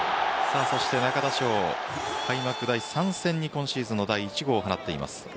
そして中田翔は開幕第３戦に今シーズンの第１号を放っています。